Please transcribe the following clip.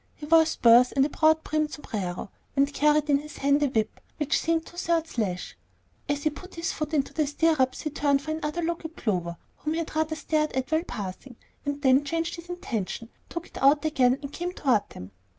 He wore spurs and a broad brimmed sombrero, and carried in his hand a whip which seemed two thirds lash. As he put his foot into the stirrup, he turned for another look at Clover, whom he had rather stared at while passing, and then changing his intention, took it out again, and came toward them.